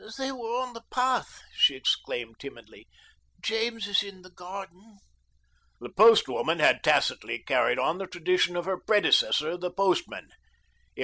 "They were on the path," she explained timidly. "James is in the garden." The post woman had tacitly carried on the tradition of her predecessor, the postman.